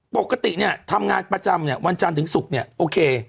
ปกติเนี่ยทำงานประจำเนี่ยวันจันทร์ถึงศุกร์เนี่ยโอเค